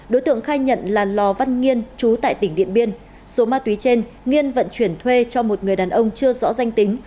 đối tượng khai nhận là lò văn nghiên chú tại tỉnh điện biên số ma túy trên nghiên vận chuyển thuê cho một người đàn ông chưa rõ danh tính